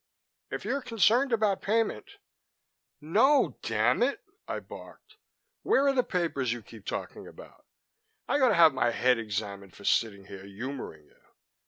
"If you're concerned about payment " "No, damn it," I barked. "Where are the papers you keep talking about? I ought to have my head examined for sitting here humoring you.